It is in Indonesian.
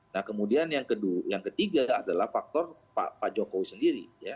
nah kemudian yang ketiga adalah faktor pak jokowi sendiri